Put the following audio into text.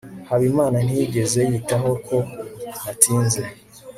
habimana ntiyigeze yitaho ko natinze